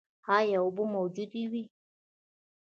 ایا اوبه موجودې وې؟